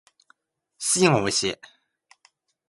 寿司が美味しい